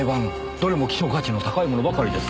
どれも希少価値の高いものばかりです。